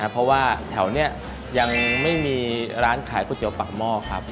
เพราะว่าแถวนี้ยังไม่มีร้านขายก๋วยเตี๋ยปากหม้อครับ